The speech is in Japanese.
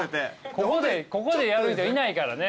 ここでやる人いないからね。